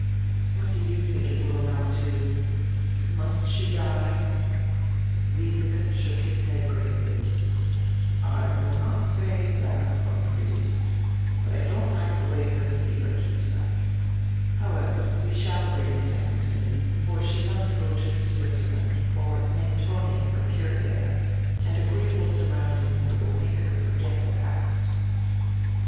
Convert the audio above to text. What do you diink it will amount to? Must she die?" Wiesike shook his head gravely, "I will not say diat, von Briest, but I don't like die way her fever keeps up. However, we shall bring it down soon, for she must go to Switzerland or Mentone for pure air and agreeable sur roundings diat will make her forget the past."